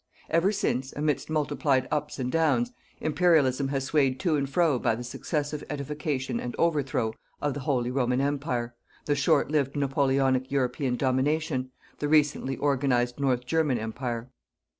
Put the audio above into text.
Ever since, amidst multiplied ups and downs, Imperialism has swayed to and fro by the successive edification and overthrow of the Holy Roman Empire, the short lived Napoleonic European domination, the recently organized North German Empire.